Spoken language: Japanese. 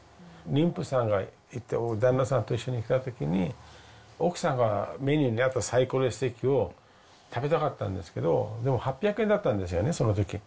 妊婦さんが旦那さんと一緒に来たときに、奥さんがメニューにあったサイコロステーキを食べたかったんですけど、でも８００円だったんですよね、そのとき。